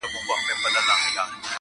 سړی پوه سو چي له سپي ورکه سوه لاره -